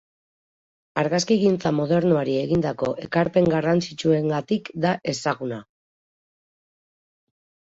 Argazkigintza modernoari egindako ekarpen garrantzitsuengatik da ezaguna.